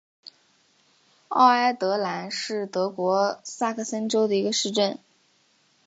奥埃德兰是德国萨克森州的一个市镇。